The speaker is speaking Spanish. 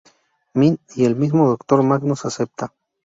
Mind, y el mismo Doctor Magnus acepta.